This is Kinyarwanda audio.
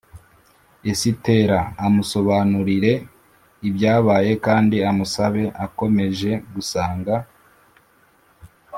esitera, amusobanurire ibyabaye kandi amusabe akomeje gusanga